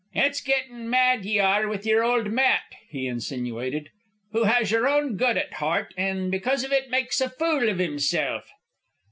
"It's gettin' mad ye are with yer old Matt," he insinuated, "who has yer own good at heart, an' because iv it makes a fool iv himself."